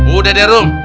udah deh rum